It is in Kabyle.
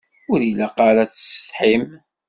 Ur ilaq ara ad tessetḥim.